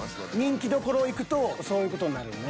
人気どころをいくとそういう事になるね。